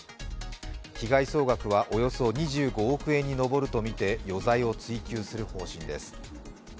被害総額はおよそ２５億円にのぼるとみて、余罪を追及する方針です。